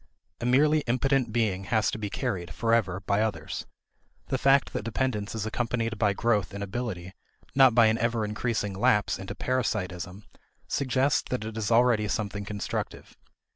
A merely impotent being has to be carried, forever, by others. The fact that dependence is accompanied by growth in ability, not by an ever increasing lapse into parasitism, suggests that it is already something constructive.